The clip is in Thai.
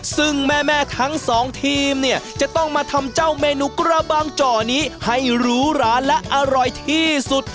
ซึ่งแม่ทั้งสองทีมเนี่ยจะต้องมาทำเจ้าเมนูกระบางจ่อนี้ให้หรูหราและอร่อยที่สุด